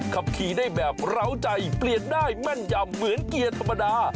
ขับขี่ได้แบบเหล้าใจเปลี่ยนได้แม่นยำเหมือนเกียร์ธรรมดา